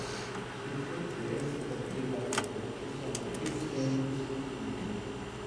Sul fronte est della torre ci sono tre stemmi scolpiti.